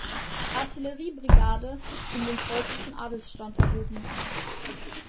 Artillerie-Brigade, in den preußischen Adelsstand erhoben.